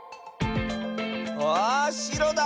あしろだ！